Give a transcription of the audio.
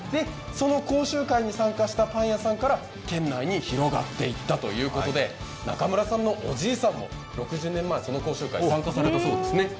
その講習会に参加したパン屋さんから県内に広がっていったということで、中村さんのおじいさんも６０年前、その講習会参加されたそうですね？